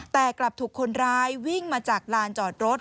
แต่กลับถูกคนร้ายวิ่งมาจากลานจอดรถ